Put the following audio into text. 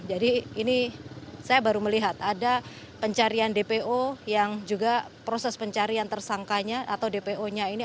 jadi ini saya baru melihat ada pencarian dpo yang juga proses pencarian tersangkanya atau dpo nya ini